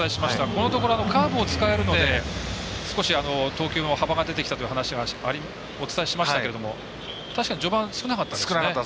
このところ、カーブを使えるので投球に少し幅が出てきたという話をお伝えしましたけれども確かに、序盤少なかったですよね。